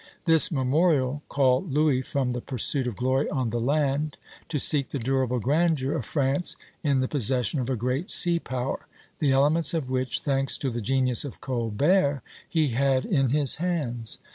This memorial called Louis from the pursuit of glory on the land to seek the durable grandeur of France in the possession of a great sea power, the elements of which, thanks to the genius of Colbert, he had in his hands.